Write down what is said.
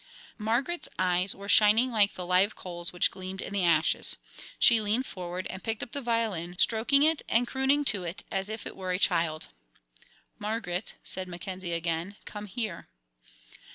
Margaret's eyes were shining like the live coals which gleamed in the ashes. She leaned forward and picked up the violin, stroking it and crooning to it as if it were a child. "Margaret," said Mackenzie again, "come here."